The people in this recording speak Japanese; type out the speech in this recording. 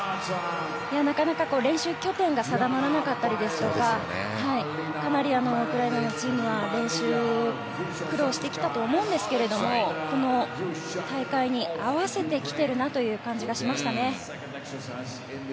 なかなか練習拠点が定まらなかったりですとかかなりウクライナのチームは練習に苦労してきたと思うんですけれどもこの大会に合わせてきているなという感じがしましたね。